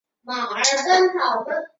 其他色素体参与储存食料。